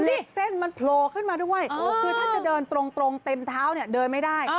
เส้นมันโผล่ขึ้นมาด้วยคือถ้าจะเดินตรงเต็มเท้าเนี่ยเดินไม่ได้